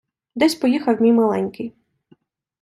Десь поїхав мій миленький